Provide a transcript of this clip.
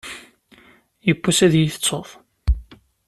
Yiwwass ad yi-tettuḍ.